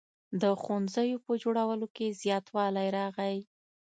د ښوونځیو په جوړولو کې زیاتوالی راغی.